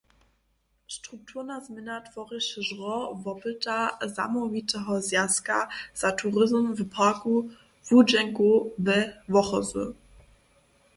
Strukturna změna tworješe žro wopyta zamołwiteho Zwjazka za turizm w parku błudźenkow we Wochozy.